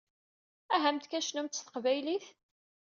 Aha-mt kan cnumt s teqbaylit!